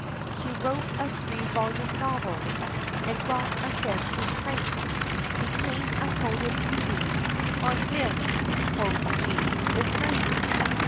She wrote a three vol. novel, And got a fancy price, Became a photo beauty; "Oh, this," quoth she, "is nice!"